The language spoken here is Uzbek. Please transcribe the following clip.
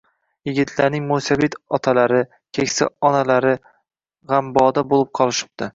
Yigitlarning mo‘ysafid otalari, keksa onalari g‘amboda bo‘lib qolishibdi.